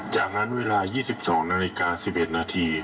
จากนั้นเวลา๒๒นาฬิกา๑๑นาที